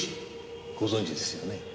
ご存じですよね？